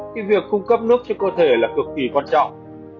cái việc cung cấp nước cho cơ thể là cực kỳ quan trọng